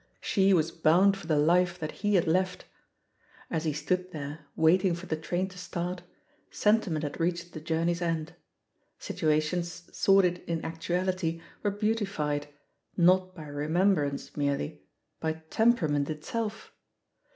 She was bound for the life that he had leftl As he stood there, waiting for the train to start, sentiment had reached the journey's end. Situations sordid in actuality were beautified, not by remembrance merely, by temperament itself.